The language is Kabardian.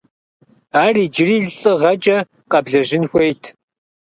Ар иджыри лӏыгъэкӏэ къэблэжьын хуейт.